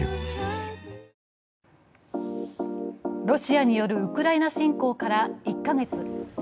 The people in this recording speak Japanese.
ロシアによるウクライナ侵攻から１カ月。